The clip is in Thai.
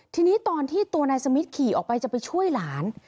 ทีนี้ตอนที่ตัวนายสมิทขี่ออกไปจะไปช่วยหลาน